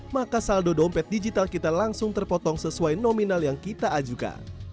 maka saldo dompet digital kita langsung terpotong sesuai nominal yang kita ajukan